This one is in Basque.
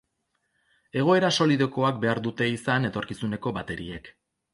Egoera solidokoak behar dute izan etorkizuneko bateriek.